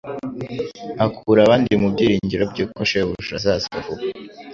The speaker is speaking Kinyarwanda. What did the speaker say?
Akura abandi mu byiringiro by'uko shebuja azaza vuba.